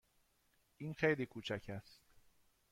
این خیلی کوچک است.